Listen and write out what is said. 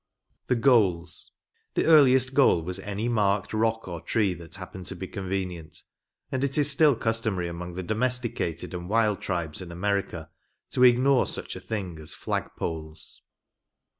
The Goals. ‚ÄĒ The earliest goal was any marked rock or tree that happened to be convenient ; and it is still customary among the domesticated and wild tribes in America to ignore such a thing as " flag poles."